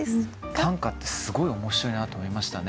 短歌ってすごい面白いなと思いましたね。